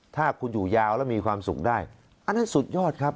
ถ้าคุณอยู่ยาวแล้วมีความสุขได้อันนั้นสุดยอดครับ